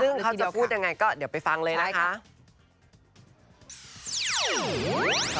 ซึ่งเขาจะพูดยังไงก็เดี๋ยวไปฟังเลยนะคะ